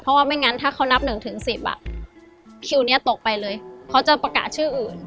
เพราะว่าไม่งั้นถ้าเขานับ๑๑๐คิวนี้ตกไปเลยเขาจะประกาศชื่ออื่น